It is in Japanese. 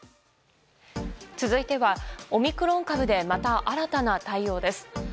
続いては、オミクロン株で、また新たな対応です。